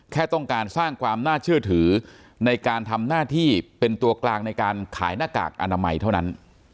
แค่ต้องการสร้างความน่าเชื่อถือในการทำหน้าที่เป็นตัวกลางในการขายหน้ากากอนามัยเท่านั้น